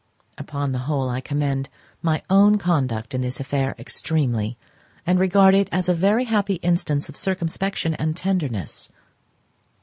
Upon the whole, I commend my own conduct in this affair extremely, and regard it as a very happy instance of circumspection and tenderness.